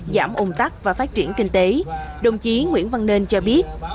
giảm ồn tắc và phát triển kinh tế đồng chí nguyễn văn nền cho biết